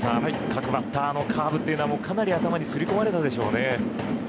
各バッターもカーブというのはかなり頭に刷り込まれたでしょうね。